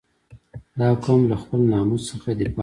• دا قوم له خپل ناموس څخه دفاع کوي.